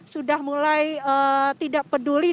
sudah mulai tidak peduli